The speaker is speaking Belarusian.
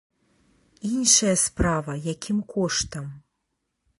Іншая справа, якім коштам.